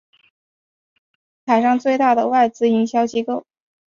目前是上海最大的外资营销机构。